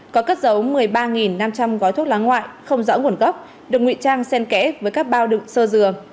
có cất giấu một mươi ba năm trăm linh gói thuốc lá ngoại không rõ nguồn gốc được nguy trang sen kẽ với các bao đựng sơ dừa